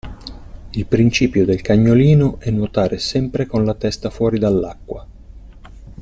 Il principio del cagnolino è nuotare sempre con la testa fuori dall'acqua.